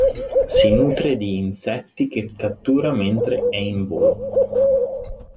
Si nutre di insetti che cattura mentre è in volo.